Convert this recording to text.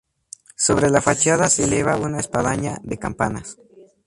Sobre la fachada se eleva una espadaña de campanas.